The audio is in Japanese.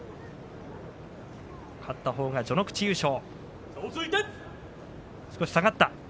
勝ったほうが序ノ口優勝。